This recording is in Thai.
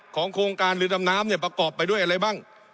โครงการเรือดำน้ำเนี่ยประกอบไปด้วยอะไรบ้าง